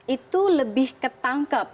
itu lebih ketangkep